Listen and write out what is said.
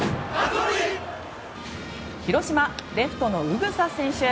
広島、レフトの宇草選手。